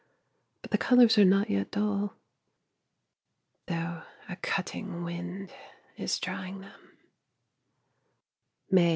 . but the colours are not yet dull, though a cutting wind is drying them.